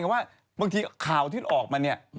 มันผมความมองใจว่าข่าวที่จะออกมาเนี่ย